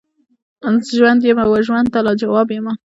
ژوند یمه وژوند ته لاجواب یمه